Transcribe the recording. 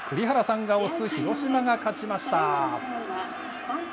栗原さんが推す広島が勝ちました。